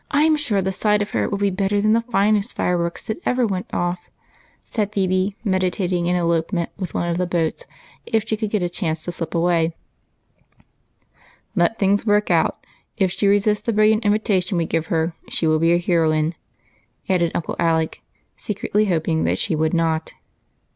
1 'm sure the sight of her will be better than the finest fire works that ever went off," said Phebe, meditating an elopement with one of the boats if she could get a chance. " Let things work ; if she resists the brilliant in vitation we give her she will be a heroine," added Uncle Alec, secretly hoping that she would not.